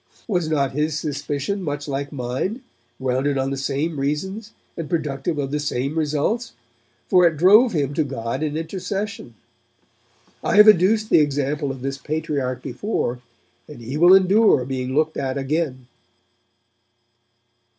Was not his suspicion much like mine, grounded on the same reasons and productive of the same results? For it drove him to God in intercession. I have adduced the example of this Patriarch before, and he will endure being looked at again.'